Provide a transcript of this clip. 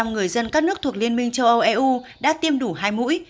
sáu mươi bảy bảy người dân các nước thuộc liên minh châu âu eu đã tiêm đủ hai mũi